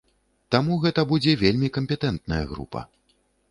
Таму гэта будзе вельмі кампетэнтная група.